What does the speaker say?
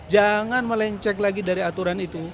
jangan melencek lagi dari aturan itu